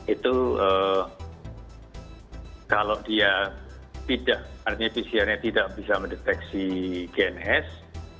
itu kalau dia tidak artinya pcrnya tidak bisa mendeteksi gen s